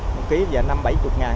một kg giờ năm mươi bảy mươi ngàn